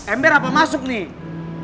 ember apa masuk nih